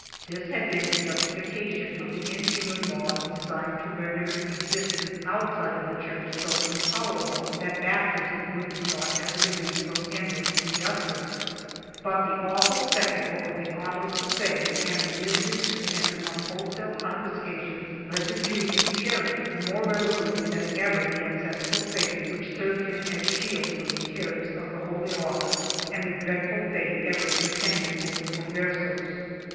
This had been the ' justification of the inhuman laws designed to render existence outside of the Church so intolerable that baptism would be sought as a relief from endless injustice, but the awful spectacle of the * autos de fe and the miseries attendant on wholesale confiscations led the Jew to cherish more resolutely than ever the ancestral faith which served him as shield from the terrors of the Holy Office and the dreadful fate ever impending over the Converses.